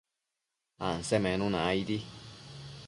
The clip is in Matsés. Ansemenuna aidi